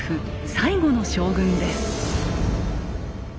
最後の将軍です。